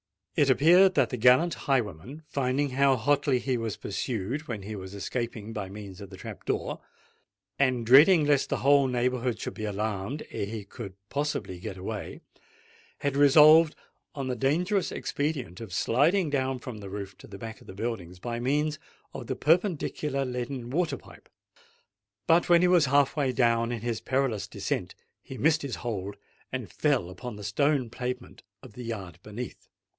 It appeared that the gallant highwayman, finding how hotly he was pursued when he was escaping by means of the trap door, and dreading lest the whole neighbourhood should be alarmed ere he could possibly get away, had resolved on the dangerous expedient of sliding down from the roof to the back of the buildings, by means of the perpendicular leaden water pipe. But when he was half way down in his perilous descent, he missed his hold, and fell upon the stone pavement of the yard beneath.